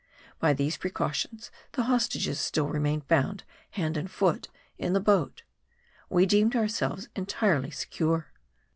By these precautions the hostages still remaining bound hand and foot in the boat we deemed ourselves entirely secure.